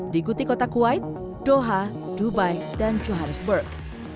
dikutik kota kuwait doha dubai dan johannesburg